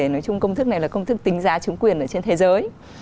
nói chung công thức này là công thức tính giá chứng quyền ở trên thế giới